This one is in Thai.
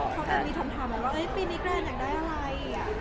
เขาก็มีถามว่าปีนี้แกนอยากได้อะไร